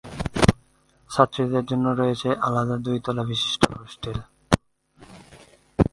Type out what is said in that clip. ছাত্রীদের জন্য রয়েছে আলাদা দুই তলা বিশিষ্ট হোস্টেল।